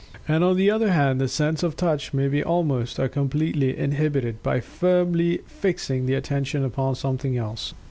And on the other hand, the sense of touch may be almost, or completely inhibited, by firmly fixing the Attention upon something else.